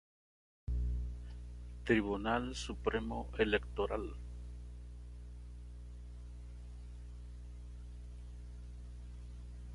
Tribunal Supremo Electoral